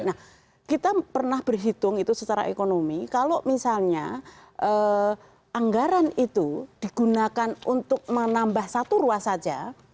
nah kita pernah berhitung itu secara ekonomi kalau misalnya anggaran itu digunakan untuk menambah satu ruas saja